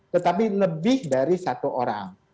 tetapi lebih dari satu orang